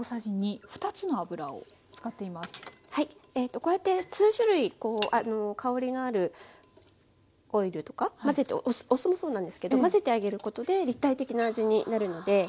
こうやって数種類香りのあるオイルとか混ぜてお酢もそうなんですけど混ぜてあげることで立体的な味になるのではい。